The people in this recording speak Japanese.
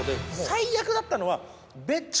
最悪だったのは。